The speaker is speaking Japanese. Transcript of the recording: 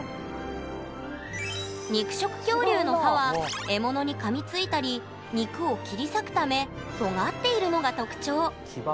肉食恐竜の歯は獲物にかみついたり肉を切り裂くためとがっているのが特徴。